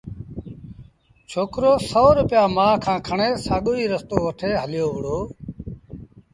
ڇوڪرو سو روپيآ مآ کآݩ کڻي سآڳوئيٚ رستو وٺي هليو وهُڙو